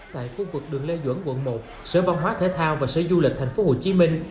tại khu vực đường lê duẩn quận một sở văn hóa thể thao và sở du lịch thành phố hồ chí minh